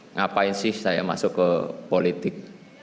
ngapain sih saya masuk ke politik